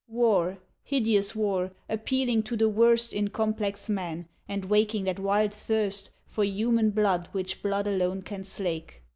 War, hideous war, appealing to the worst In complex man, and waking that wild thirst For human blood which blood alone can slake.